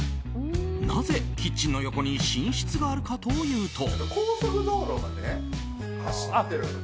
なぜキッチンの横に寝室があるかというと。